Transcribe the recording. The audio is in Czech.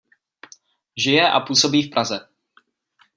Žije a působí v Praze.